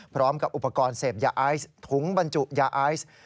พร้อมกับอุปกรณ์เสพยาไอซ์ถุงบรรจุยาไอซ์